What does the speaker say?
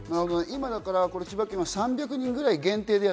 今、千葉県は３００人ぐらい限定で